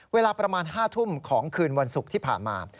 เวลาประมาณ๕ทุ่มของคืนวันศุกร์ที่ผ่านมา